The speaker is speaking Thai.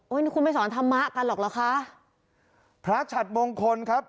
นี่คุณไม่สอนธรรมะกันหรอกเหรอคะพระฉัดมงคลครับ